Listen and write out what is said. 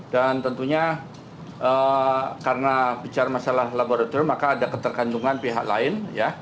dan tentunya karena bicara masalah laboratorium maka ada ketergantungan pihak lain